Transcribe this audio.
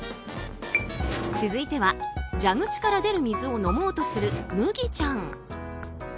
続いては蛇口から出る水を飲もうとするムギちゃん。